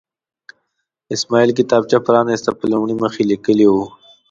اسماعیل کتابچه پرانسته، په لومړي مخ یې لیکلي وو.